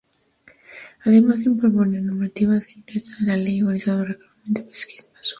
Además de imponer normativas inconscientes, la Ley organiza racionalmente al psiquismo del sujeto.